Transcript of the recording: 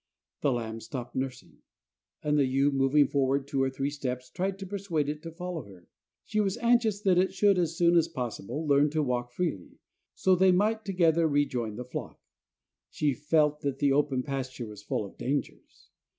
The lamb stopped nursing; and the ewe, moving forward two or three steps, tried to persuade it to follow her. She was anxious that it should as soon as possible learn to walk freely, so they might together rejoin the flock. She felt that the open pasture was full of dangers.